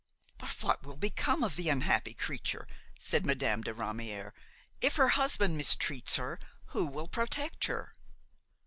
"But what will become of the unhappy creature?" said Madame de Ramière. "If her husband maltreats her, who will protect her?"